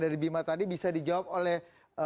dari bima tadi bisa dijawab oleh